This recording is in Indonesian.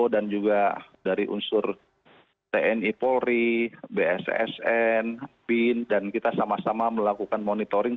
dan juga dari unsur tni polri bssn pin dan kita sama sama melakukan monitoring